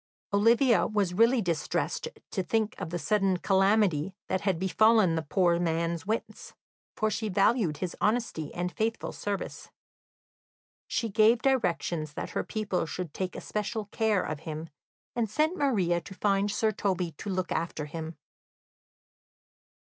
Olivia was really distressed to think of the sudden calamity that had befallen the poor man's wits, for she valued his honesty and faithful service. She gave directions that her people should take especial care of him, and sent Maria to find Sir Toby to look after him.